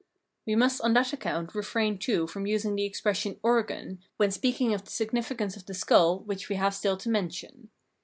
We must on that account refrain too from using the expression " organ " when speaking of that significance of the skull which we have still to mention.